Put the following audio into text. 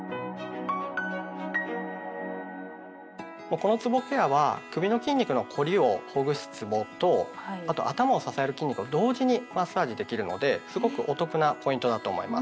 このつぼケアは首の筋肉の凝りをほぐすつぼとあと頭を支える筋肉を同時にマッサージできるのですごくお得なポイントだと思います。